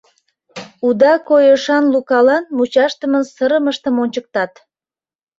Уда койышан Лукалан мучашдымын сырымыштым ончыктат.